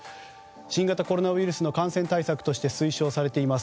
新型コロナウイルスの感染対策として推奨されています